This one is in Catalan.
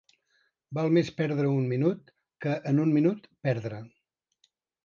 Val més perdre un minut que en un minut perdre.